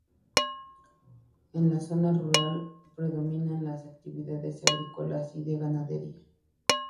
En la zona rural predominan las actividades agrícolas y de ganadería.